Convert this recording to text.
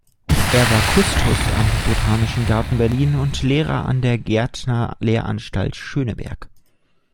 Er war Kustos am Botanischen Garten Berlin und Lehrer an der Gärtner-Lehranstalt Schöneberg.